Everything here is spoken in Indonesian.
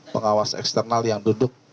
pengawas eksternal yang duduk